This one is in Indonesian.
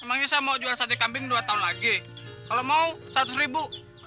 emangnya saya mau jual sate kambing dua tahun lagi kalau mau seratus ribu